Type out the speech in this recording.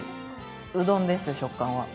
うどんです、食感は。